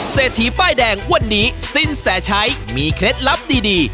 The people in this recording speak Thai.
เศรษฐีป้ายแดงวันนี้สินแสชัยมีเคล็ดลับดี